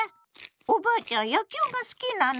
「おばあちゃん野球が好きなの？」